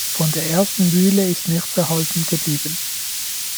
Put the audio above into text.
Von der ersten Mühle ist nichts erhalten geblieben.